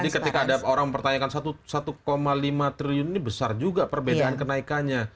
jadi ketika ada orang mempertanyakan satu lima triliun ini besar juga perbedaan kenaikannya